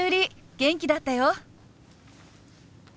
元気だったよ。